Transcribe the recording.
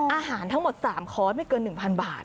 ทั้งหมด๓คอร์สไม่เกิน๑๐๐บาท